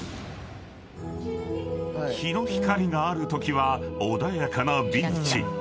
［日の光があるときは穏やかなビーチ］